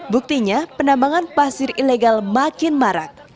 buktinya penambangan pasir ilegal makin marak